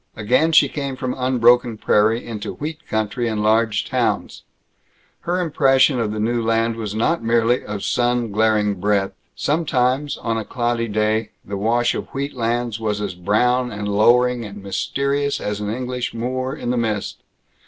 Again she came from unbroken prairie into wheat country and large towns. Her impression of the new land was not merely of sun glaring breadth. Sometimes, on a cloudy day, the wash of wheatlands was as brown and lowering and mysterious as an English moor in the mist.